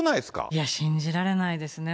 いや、信じられないですね。